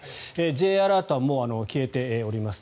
Ｊアラートはもう消えております。